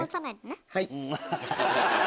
はい。